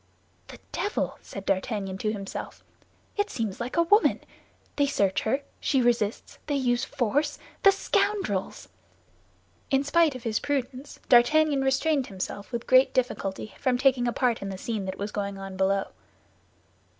"The devil!" said D'Artagnan to himself. "It seems like a woman! They search her; she resists; they use force—the scoundrels!" In spite of his prudence, D'Artagnan restrained himself with great difficulty from taking a part in the scene that was going on below.